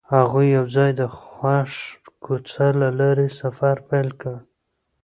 هغوی یوځای د خوښ کوڅه له لارې سفر پیل کړ.